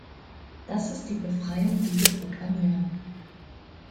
Das ist die Befreiung, die wir proklamieren.